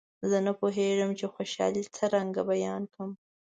زه نه پوهېږم چې خوشالي څرنګه بیان کړم.